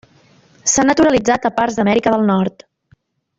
S'ha naturalitzat a parts d'Amèrica del Nord.